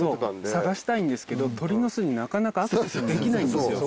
探したいんですけど鳥の巣になかなかアクセスできないんですよ。